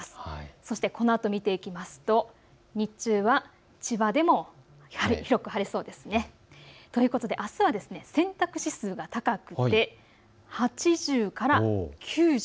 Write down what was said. そしてこのあと見ていきますと日中は千葉でも広く晴れそうです。ということで、あすは洗濯指数が高くて８０から９０。